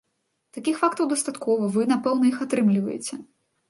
Такіх фактаў дастаткова, вы, напэўна, іх атрымліваеце.